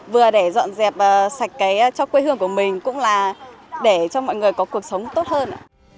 vừa để dọn dẹp sạch cái cho quê hương của mình cũng là để cho mọi người có cuộc sống tốt hơn